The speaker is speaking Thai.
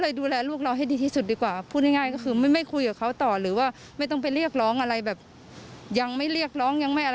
ใช่ไหมส่วนน้ำเขามีมตรการที่ดูแลลูกค้ายังไง